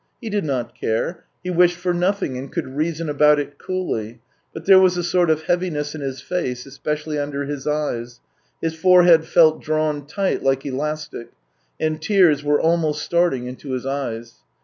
He did not care, he wished for nothing, and could reason about it coolly, but there was a sort of heaviness in his face especially under his eyes, his forehead felt drawn tight like elastic — and tears were almost starting into his eyes.